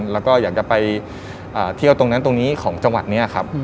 แล้วก็อยากจะไปเที่ยวตรงนั้นตรงนี้ของจังหวัดนี้ครับ